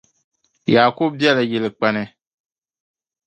Yakubu be la yilikpani